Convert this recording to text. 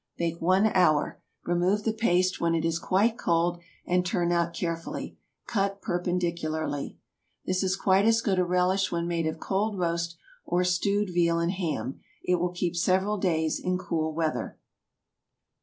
Bake one hour. Remove the paste when it is quite cold, and turn out carefully. Cut perpendicularly. This is quite as good a relish when made of cold roast or stewed veal and ham. It will keep several days in cool weather.